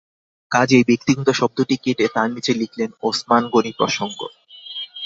কাজেই ব্যক্তিগত শব্দটি কেটে তার নিচে লিখলেন- ওসমান গনি প্রসঙ্গ।